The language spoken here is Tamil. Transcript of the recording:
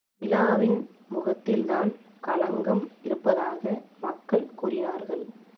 நிலாவின் முகத்தில்தான் களங்கம் இருப்பதாக மக்கள் கூறினார்கள்.